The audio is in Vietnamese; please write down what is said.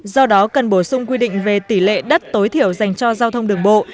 do đó cần bổ sung quy định về tỷ lệ đất tối thiểu dành cho giao thông đường bộ